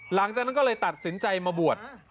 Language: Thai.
หลังจากนั้นก็เลยตัดสินใจมาบวช